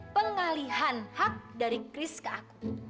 pengalihan hak dari kris ke aku